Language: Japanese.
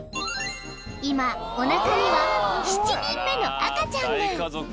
［今おなかには７人目の赤ちゃんが］